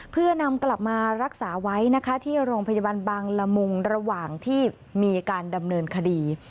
เพื่อนำกลับมารักษาไว้นะคะที่โรงพยาบาลบางละมุงระหว่างที่มีการดำเนินคดี